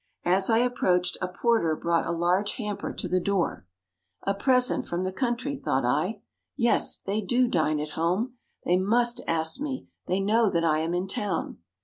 As I approached, a porter brought a large hamper to the door. "A present from the country," thought I, "yes, they do dine at home; they must ask me; they know that I am in town."